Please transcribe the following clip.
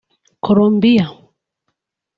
Colombia